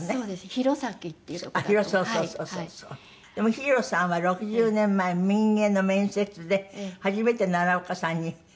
日色さんは６０年前民藝の面接で初めて奈良岡さんに。